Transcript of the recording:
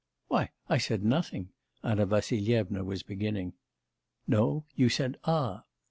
'Why, I said nothing ' Anna Vassilyevna was beginning. 'No, you said, ah!